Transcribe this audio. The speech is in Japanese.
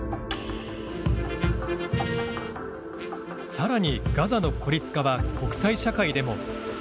さらに、ガザの孤立化は国際社会でも。